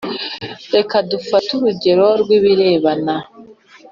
reka dufate urugero rw ibirebana